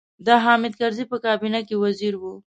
د حامد کرزي په کابینه کې وزیر و.